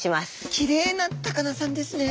きれいな高菜さんですね。